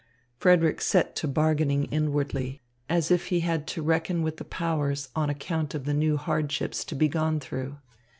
Frederick set to bargaining inwardly, as if he had to reckon with the powers on account of the new hardships to be gone through.